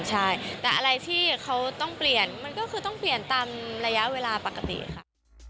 ใช่แต่อะไรที่เขาต้องเปลี่ยนมันก็คือต้องเปลี่ยนตามระยะเวลาปกติค่ะ